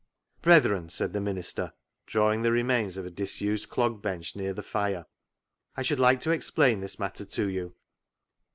" Brethren," said the minister, drawing the remains of a disused clog bench near the fire, " I should like to explain this matter to you.